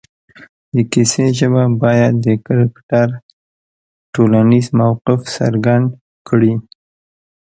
د کیسې ژبه باید د کرکټر ټولنیز موقف څرګند کړي